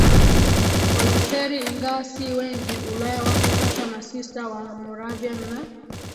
Walutheri ingawa si wengi Ulaya wako hata masista Wamoravian na